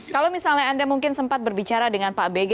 kalau misalnya anda mungkin sempat berbicara dengan pak bg